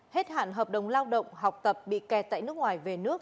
hết hạn hợp đồng lao động học tập bị kẹt tại nước ngoài về nước